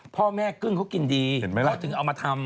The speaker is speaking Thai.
พ่อแม่กึ้งเขากินดีเพราะถึงเอามาทำ